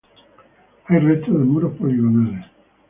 Hay restos de muros poligonales.